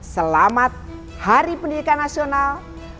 selamat hari pendidikan nasional